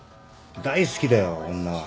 大好きだよ女は。